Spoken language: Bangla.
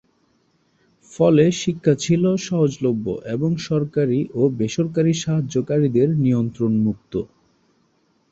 ফলে শিক্ষা ছিল সহজলভ্য এবং সরকারি ও বেসরকারি সাহায্যকারীদের নিয়ন্ত্রণমুক্ত।